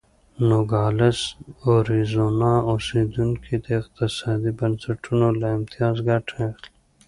نوګالس اریزونا اوسېدونکي د اقتصادي بنسټونو له امتیاز ګټه اخلي.